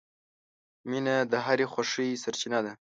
• مینه د هرې خوښۍ سرچینه ده.